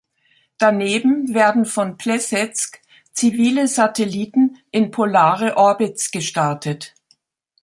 Daneben werden von Plessezk zivile Satelliten in polare Orbits gestartet.